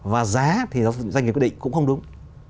và giá thì do doanh nghiệp quy định cũng không đúng